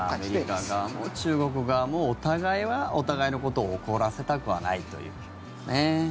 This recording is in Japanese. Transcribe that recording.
アメリカ側も中国側もお互いはお互いのことを怒らせたくはないということですね。